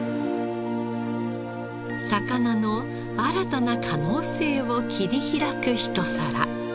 魚の新たな可能性を切り開くひと皿。